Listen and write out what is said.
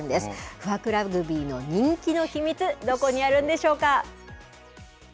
不惑ラグビーの人気の秘密、どこにあるんでしょうか。